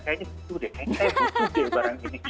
kayaknya butuh deh kayaknya saya butuh deh barang ini